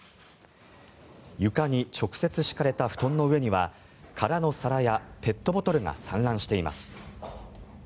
床に直接敷かれた布団の上には空の皿やペットボトルが散乱しています。